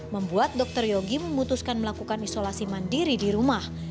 membuat dr yogi memutuskan melakukan isolasi mandiri di rumah